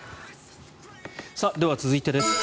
では、続いてです。